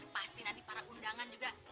pasti nanti para undangan juga